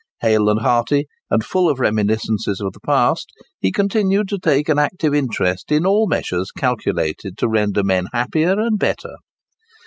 Hale and hearty, and full of reminiscences of the past, he continued to take an active interest in all measures calculated to render men happier and better.